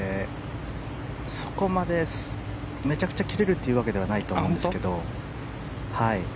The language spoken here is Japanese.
そこまでめちゃくちゃ切れるというわけではないと思うんですけど。